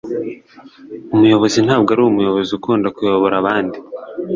umuyobozi ntabwo ari umuyobozi ukunda kuyobora abandi